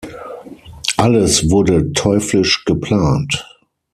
Alles wurde teuflisch geplant.